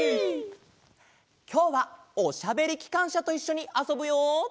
きょうは「おしゃべりきかんしゃ」といっしょにあそぶよ！